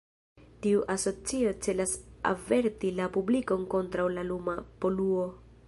Tiu asocio celas averti la publikon kontraŭ la luma poluo.